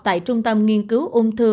tại trung tâm nghiên cứu ông thư